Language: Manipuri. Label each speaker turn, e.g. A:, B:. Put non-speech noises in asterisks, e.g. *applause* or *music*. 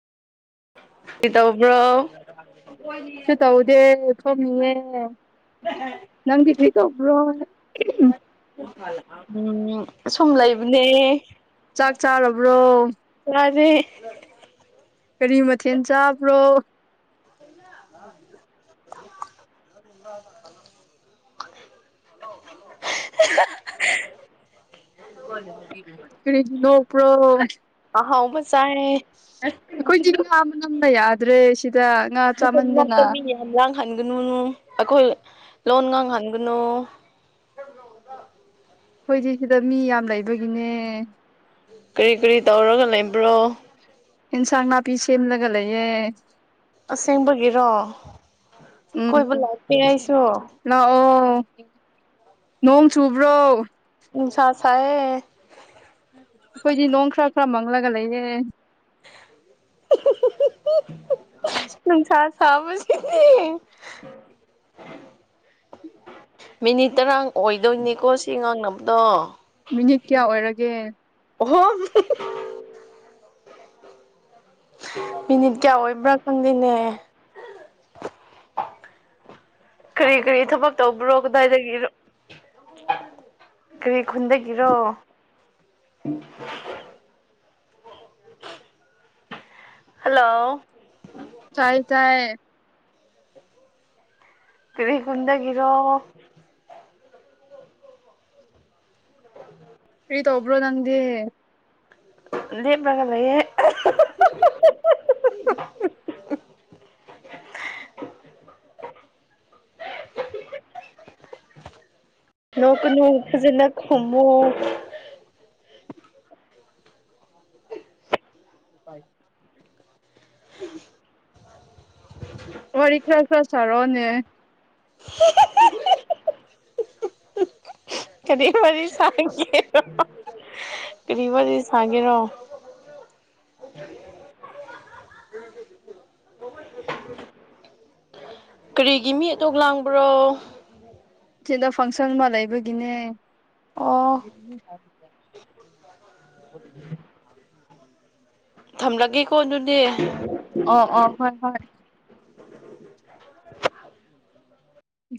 A: ꯀꯩ ꯇꯧꯕ꯭ꯔꯣ ꯂꯧꯁꯤꯟꯕ ꯉꯝꯗꯕ
B: ꯀꯩꯁꯨ ꯇꯧꯗꯦ ꯐꯝꯃꯤꯌꯦ ꯅꯪꯗꯤ ꯀ꯭ꯔꯤ ꯇꯧꯕ꯭ꯔꯣ ꯎꯍꯨꯝ
A: ꯎꯝ ꯁꯨꯝ ꯂꯩꯕꯅꯦ
B: ꯆꯥꯛ ꯆꯥꯔꯕ꯭ꯔꯣ
A: ꯂꯧꯁꯤꯟꯕ ꯉꯝꯗꯕ
B: ꯀꯔꯤ ꯃꯊꯦꯜ ꯆꯥꯕ꯭ꯔꯣ
A: *unintelligible* ꯂꯧꯁꯤꯟꯕ ꯉꯝꯗꯕ
B: ꯀꯔꯤꯒꯤ ꯅꯣꯛꯄ꯭ꯔꯣ
A: ꯑꯍꯥꯎꯕ ꯆꯥꯔꯦ
B: ꯑꯩꯈꯣꯏꯗꯤ ꯅꯥꯕꯅ ꯑꯩꯈꯣꯏ ꯌꯥꯗ꯭ꯔꯦ ꯁꯤ
A: ꯅꯈꯣꯏꯒꯤ ꯃꯅꯥꯛꯇ ꯃꯤ ꯌꯥꯝ ꯂꯥꯡꯍꯟꯒꯅꯨꯅꯨ ꯑꯈꯣꯏ ꯂꯣꯟ ꯉꯥꯡ ꯍꯟꯒꯅꯨ
B: ꯑꯩꯈꯣꯏꯖꯤ ꯁꯤꯗ ꯃꯤ ꯌꯥꯝ ꯂꯩ ꯗꯨꯒꯤꯅꯦ
A: ꯀ꯭ꯔꯤ ꯀ꯭ꯔꯤ ꯇꯧꯔꯒ ꯂꯩꯕ꯭ꯔꯣ
B: ꯏꯟꯁꯥꯡ ꯅꯥꯄꯤ ꯁꯦꯝꯂꯒ ꯒ ꯂꯩꯌꯦ
A: ꯑꯁꯦꯡꯕꯒꯤꯔꯣ ꯀꯣꯏꯕ
B: ꯎꯝ
A: ꯂꯥꯛꯀꯦ ꯑꯩꯁꯨ
B: ꯂꯥꯛꯑꯣ ꯑꯟꯑꯣꯗꯤꯕꯜ ꯅꯣꯡ ꯆꯨꯕ꯭ꯔꯣ
A: ꯅꯨꯡꯁꯥ ꯁꯥꯏꯌꯦ
B: ꯑꯩꯈꯣꯏꯗꯤ ꯅꯣꯡ ꯈ꯭ꯔꯥ ꯈ꯭ꯔ ꯃꯪ ꯃꯪꯂꯒ ꯂꯩꯌꯦ
A: ꯍꯍꯍ ꯅꯨꯡꯁꯥ ꯁꯥꯕꯁꯦ ꯍꯦꯍꯦ ꯃꯤꯅꯤꯠ ꯇꯔꯥ ꯑꯣꯏꯗꯣꯏꯅꯤꯀꯣ ꯁꯤ ꯉꯥꯡꯅꯕꯗꯣ
B: ꯃꯤꯅꯤꯠ ꯀꯌꯥ ꯑꯣꯏꯔꯒꯦ
A: ꯑꯣꯍꯣ ꯃꯤꯅꯤꯠ ꯀꯌꯥ ꯑꯣꯏꯕ꯭ꯔꯥ ꯈꯪꯗꯦꯅꯦ ꯀ꯭ꯔꯤ ꯀ꯭ꯔꯤ ꯊꯕꯛ ꯇꯧꯕ꯭ꯔꯣ ꯀꯗꯥꯏꯗꯒꯤꯔꯣ ꯀ꯭ꯔꯤ ꯈꯨꯟꯗꯒꯤꯔꯣ ꯍꯜꯂꯣ
B: ꯇꯥꯏ ꯇꯥꯏꯌꯦ
A: ꯀ꯭ꯔꯤ ꯈꯨꯟꯗꯒꯤꯔꯣ ꯑꯟꯑꯣꯗꯤꯕꯜ
B: ꯀ꯭ꯔꯤ ꯇꯧꯕ꯭ꯔꯣ ꯅꯪꯗꯤ
A: ꯂꯦꯝꯕꯒ ꯂꯩꯌꯦ
B: ꯍꯍ
A: ꯅꯣꯛ ꯀꯅꯨ ꯐꯖꯅ ꯈꯨꯝꯃꯨ
B: ꯑꯟꯑꯣꯗꯤꯕꯜ ꯋꯥꯔꯤ ꯈꯔ ꯈꯔ ꯁꯥꯔꯛꯑꯣꯅꯦ
A: ꯀꯔꯤ ꯋꯥꯔꯤ ꯁꯥꯏꯒꯦꯌꯣ ꯀ꯭ꯔꯤ ꯋꯥꯔꯤ ꯁꯥꯒꯦꯔꯣ ꯀ꯭ꯔꯤꯒꯤ ꯃꯤ ꯑꯗꯨꯛ ꯂꯥꯡꯕ꯭ꯔꯣ
B: ꯁꯤꯗ ꯐꯪꯁꯟ ꯑꯃ ꯂꯩꯕꯒꯤꯅꯦ
A: ꯑꯣ ꯊꯝꯂꯒꯦ ꯀꯣꯅꯨꯅꯦ
B: ꯍꯣꯏ